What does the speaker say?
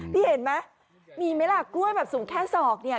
พี่เห็นไหมมีไหมล่ะกล้วยแบบสูงแค่ศอกเนี่ย